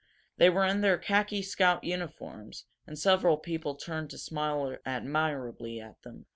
They were in their khaki scout uniforms, and several people turned to smile admiringly at them.